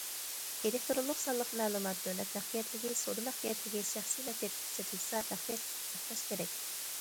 ئېلېكتىرونلۇق سانلىق مەلۇمات دۆلەت مەخپىيەتلىكى، سودا مەخپىيەتلىكى، شەخسىي مەخپىيەتلىككە چېتىلسا، مەخپىيەتلىكنى ساقلاش كېرەك.